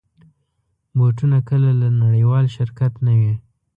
بوټونه کله له نړېوال شرکت نه وي.